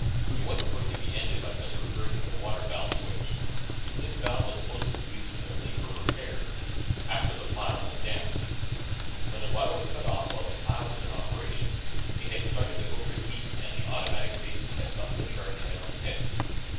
It wasn't going to be ended by just reversing the water valve switch. This valve was supposed to be used only for repairs, after the pile was damped. When the water was cut off with the pile in operation, it had started to overheat and the automatic safeties had dumped the charge down the pit.